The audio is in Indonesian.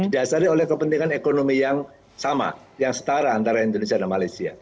didasari oleh kepentingan ekonomi yang sama yang setara antara indonesia dan malaysia